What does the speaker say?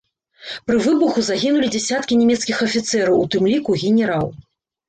Пры выбуху загінулі дзясяткі нямецкіх афіцэраў, у тым ліку генерал.